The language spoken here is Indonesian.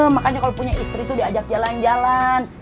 makanya kalau punya istri itu diajak jalan jalan